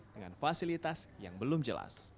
dengan fasilitas yang belum jelas